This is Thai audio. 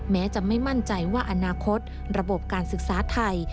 แม้จะไม่มั่นใจว่าอนาคตระบบการศึกษาไทย